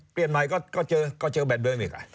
เปลี่ยนบอดใหม่ก็เจอแบบเดิมอีกค่ะ